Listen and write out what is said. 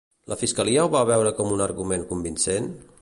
La fiscalia ho va veure com a argument convincent?